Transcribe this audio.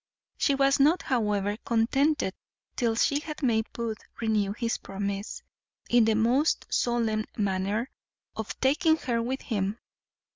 She was not, however, contented till she had made Booth renew his promise, in the most solemn manner, of taking her with him.